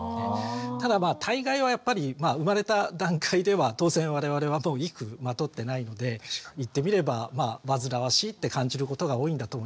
ただ大概はやっぱり生まれた段階では当然我々は衣服まとってないので言ってみればわずらわしいって感じることが多いんだと思います。